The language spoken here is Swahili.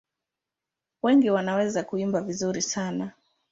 Wengi wanaweza kuimba vizuri sana.